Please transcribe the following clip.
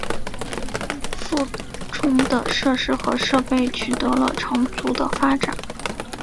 附中的设施和设备取得了长足的发展。